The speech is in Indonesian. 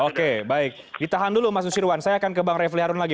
oke baik ditahan dulu mas nusirwan saya akan ke bang refli harun lagi